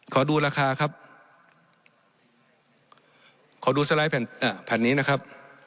ขอดูราคาครับขอดูสไลด์แผ่นนี้นะครับ